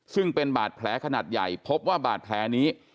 ซึ่งเป็นบาดแผลขนาดใหญ่พบว่าบาดแผลนี้